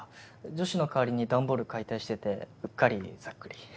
女子の代わりに段ボール解体しててうっかりざっくり。